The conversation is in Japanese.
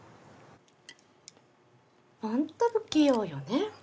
ほんと不器用よね。